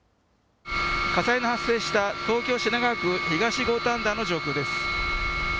火災の発生した東京品川区東五反田の上空です。